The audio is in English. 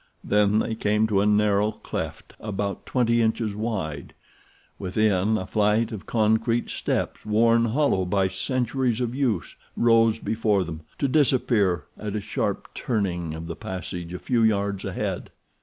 Then they came to a narrow cleft about twenty inches wide. Within, a flight of concrete steps, worn hollow by centuries of use, rose before them, to disappear at a sharp turning of the passage a few yards ahead.